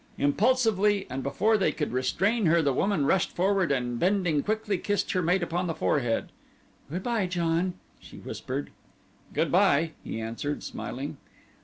Impulsively and before they could restrain her the woman rushed forward and bending quickly kissed her mate upon the forehead. "Good bye, John," she whispered. "Good bye," he answered, smiling.